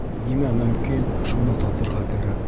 Нимә мөмкин, шуны татырға кәрәк.